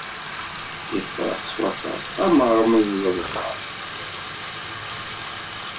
D ifrax s waṭas, am rrmel n lebḥer.